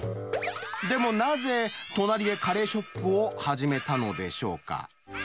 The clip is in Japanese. でもなぜ、隣でカレーショップを始めたのでしょうか。